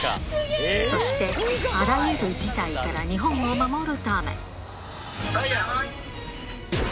そして、あらゆる事態から日本を守るため。